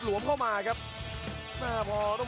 หัวจิตหัวใจแก่เกินร้อยครับ